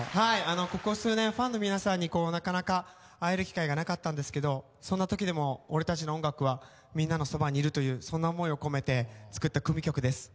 ここ数年、ファンの皆さんになかなか会える機会がなかったんですけどそんな時でも、俺たちの音楽はみんなのそばにいるというそんな思いを込めて作った組曲です。